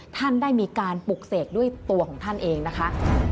ท่านได้มีการปลุกเสกด้วยตัวของท่านเองนะคะ